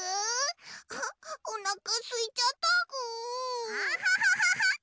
あっおなかすいちゃったぐ。